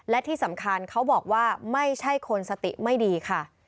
และที่สำคัญเขาบอกว่าไม่ใช่คนสติไม่ดีค่ะ